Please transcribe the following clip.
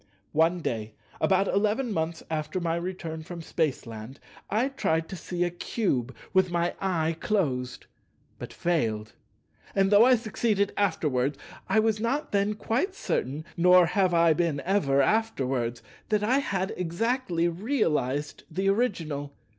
One day, about eleven months after my return from Spaceland, I tried to see a Cube with my eye closed, but failed; and though I succeeded afterwards, I was not then quite certain (nor have I been ever afterwards) that I had exactly realized the original.